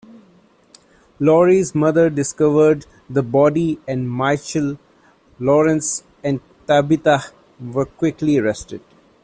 Laurie's mother discovered the body and Michelle, Lawrence, and Tabitha were quickly arrested.